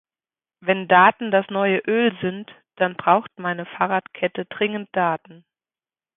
Wenn Daten das neue Öl sind, dann braucht meine Fahrradkette dringend Daten.